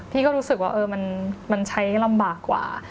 พี่ก็รู้สึกว่ามันใช้ลำบากกว่า